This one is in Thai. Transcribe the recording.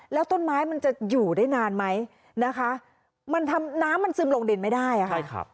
แล้วต้นไม้มันจะอยู่ได้นานไหมนะคะมันทำน้ำมันซึมลงดินไม่ได้ค่ะใช่ครับ